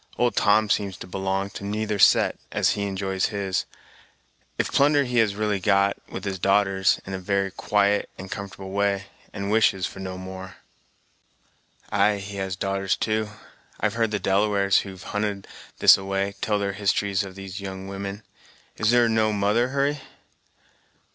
Old Tom seems to belong to neither set, as he enjoys his, if plunder he has really got, with his darters, in a very quiet and comfortable way, and wishes for no more." "Ay, he has darters, too; I've heard the Delawares, who've hunted this a way, tell their histories of these young women. Is there no mother, Hurry?"